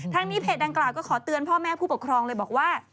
นี้เพจดังกล่าก็ขอเตือนพ่อแม่ผู้ปกครองเลยบอกว่า